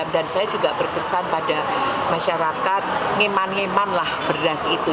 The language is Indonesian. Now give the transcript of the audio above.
dan saya juga berkesan pada masyarakat ngeman ngeman lah beras itu